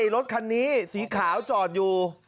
รถคันนี้สีขาวจอดอยู่